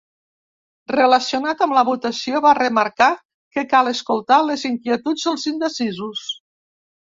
Relacionat amb la votació va remarcar que cal escoltar les inquietuds dels indecisos.